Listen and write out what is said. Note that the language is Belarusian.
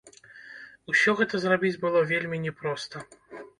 Усё гэта зрабіць было вельмі не проста.